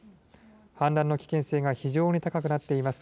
氾濫の危険性が非常に高くなっています。